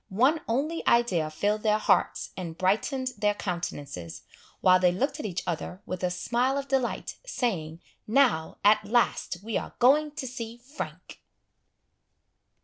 One only idea filled their hearts, and brightened their countenances, while they looked at each other with a smile of delight, saying, "now, at last, we are going to see Frank!"